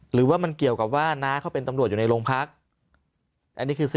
หรือว่ามันเกี่ยวกับว่าน้าเขาเป็นตำรวจอยู่ในโรงพัก